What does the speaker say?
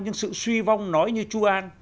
nhưng sự suy vong nói như chu an